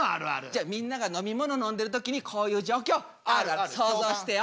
じゃあみんなが飲み物飲んでる時にこういう状況想像してよ。